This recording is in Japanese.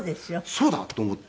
そうだ！と思って。